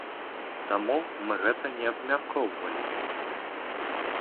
Таму мы гэта не абмяркоўвалі.